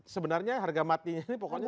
sebenarnya harga matinya ini pokoknya